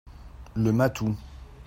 Le matou.